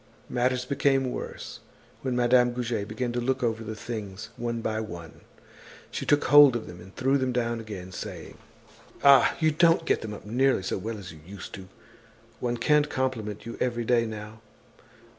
Matters became worse when Madame Goujet began to look over the things, one by one. She took hold of them and threw them down again saying: "Ah! you don't get them up nearly so well as you used to do. One can't compliment you every day now.